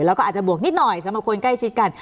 แล้วก็อาจจะบวกนิดหน่อยสำหรับคนใกล้ชิดกัน